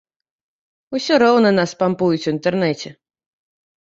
Усё роўна нас спампуюць у інтэрнэце.